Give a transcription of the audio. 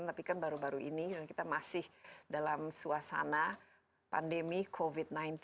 tapi kan baru baru ini kita masih dalam suasana pandemi covid sembilan belas